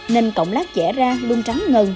nên cọng lát chẻ ra luôn trắng ngần